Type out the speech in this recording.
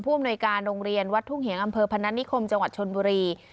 อำนวยการโรงเรียนวัดทุ่งเหียงอำเภอพนัฐนิคมจังหวัดชนบุรี